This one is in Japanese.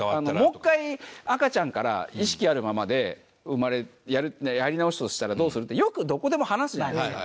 もう一回赤ちゃんから意識あるままでやり直すとしたらどうする？ってよくどこでも話すじゃないですか。